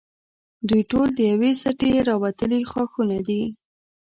دوی ټول د یوې سټې راوتلي ښاخونه دي.